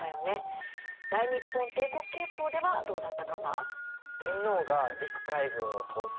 大日本帝国憲法ではどうだったかな？